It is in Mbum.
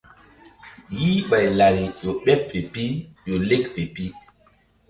Ye ɓay lari ƴo ɓeɓ fe pi ƴo lek fe pi.